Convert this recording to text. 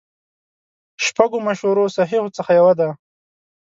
شپږو مشهورو صحیحو څخه یوه ده.